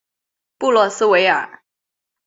布洛斯维尔。